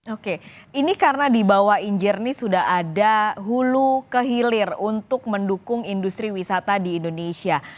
oke ini karena di bawah injerni sudah ada hulu kehilir untuk mendukung industri wisata di indonesia